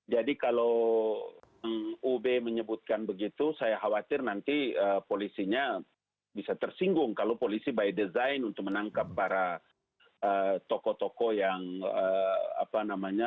jadi kalau ub menyebutkan begitu saya khawatir nanti polisinya bisa tersinggung kalau polisi by design untuk menangkap para tokoh tokoh yang apa namanya